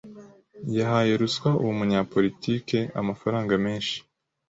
Yahaye ruswa uwo munyapolitike amafaranga menshi.